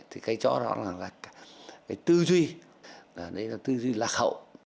thì cái chó đó là cái tư duy là tư duy lạc hậu